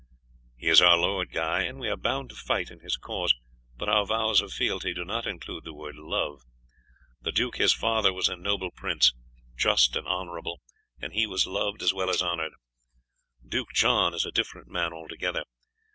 "He is our lord, Guy, and we are bound to fight in his cause, but our vows of fealty do not include the word love. The duke his father was a noble prince, just and honourable, and he was loved as well as honoured. Duke John is a different man altogether.